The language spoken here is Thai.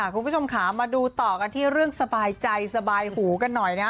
คุณผู้ชมค่ะมาดูต่อกันที่เรื่องสบายใจสบายหูกันหน่อยนะ